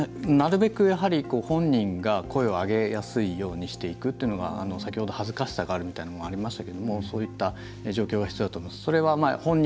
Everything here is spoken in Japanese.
なるべく、やはり本人が声を上げやすいようにしていくというのが先ほど恥ずかしさがあるみたいなのもありましたけどもそういった状況が必要だと思います。